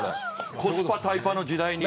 コスパ、タイパの時代に。